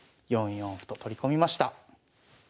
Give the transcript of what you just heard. ４四歩と取り込みました。